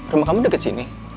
rumah kamu deket sini